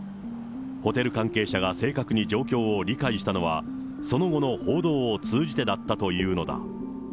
ホテル関係者が正確に状況を理解したのは、その後の報道を通じてだったというのだ。